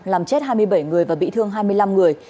làm chết hai mươi bảy người và bị thương hai mươi năm người